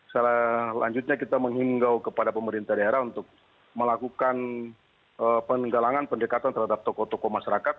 selanjutnya kita menghimbau kepada pemerintah daerah untuk melakukan penggalangan pendekatan terhadap tokoh tokoh masyarakat